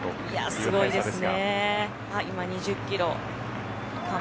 すごいですね。